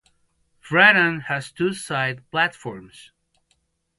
Prahran has two side platforms.